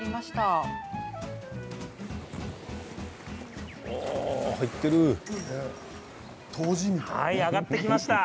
はい、揚がってきました。